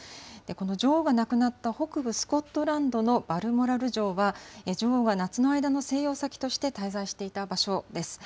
この女王が亡くなった北部スコットランドのバルモラル城は、女王が夏の間の静養先として滞在していた場所です。